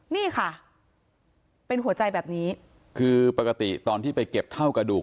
นี่ค่ะเป็นหัวใจแบบนี้คือปกติตอนที่ไปเก็บเท่ากระดูก